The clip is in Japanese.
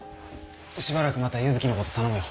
しばらくまた柚希のこと頼むよ。